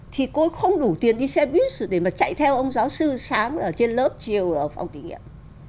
thì cô không đủ tiền đi xe buýt để mà chạy theo ông giáo sư sáng ở trên lớp chiều ở phòng thí nghiệm